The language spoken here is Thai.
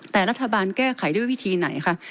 แต่รัฐบาลแก้ไขด้วยวิธีไหนคะ